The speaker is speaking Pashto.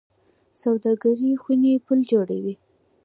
سوداګرۍ خونې پل جوړوي